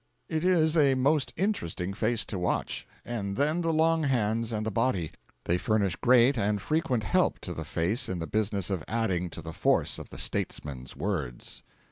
It is a most interesting face to watch. And then the long hands and the body they furnish great and frequent help to the face in the business of adding to the force of the statesman's words.